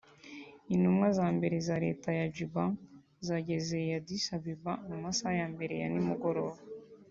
Intumwa za mbere za leta ya Juba zageze i Addis Abeba mu masaha ya mbere ya nimugoroba